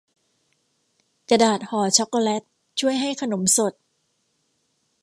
กระดาษห่อช็อคโกแลตช่วยให้ขนมสด